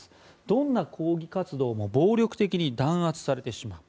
どんな抗議活動も暴力的に弾圧されてしまう。